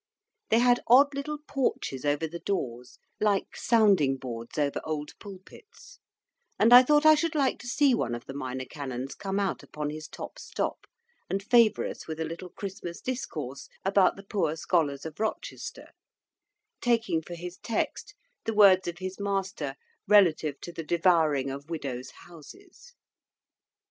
They had odd little porches over the doors, like sounding boards over old pulpits; and I thought I should like to see one of the Minor Canons come out upon his top stop, and favour us with a little Christmas discourse about the poor scholars of Rochester; taking for his text the words of his Master relative to the devouring of Widows' houses.